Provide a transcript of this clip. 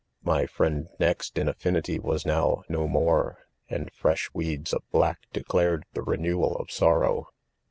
My friend next in, affinity, was. no w, mo mpre, anfji fieA'; weeds of black declared the renewal of sorrow